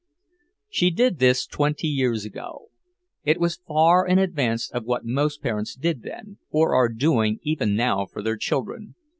She did this twenty years ago. It was far in advance of what most parents did then or are doing even now for their children.